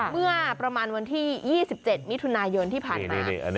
เมื่อประมาณวันที่๒๗มิถุนายนที่ผ่านมา